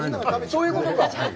そういうことか。